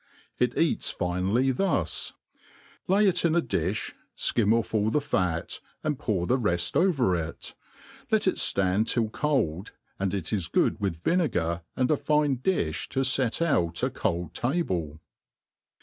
It eats finely thus. Lay it in a dlft, flcim ofl^all the fat, and pour the reft over it. Let it (land till cold^ and it is good with vinegar, and a fine diib to fet out a cokt table.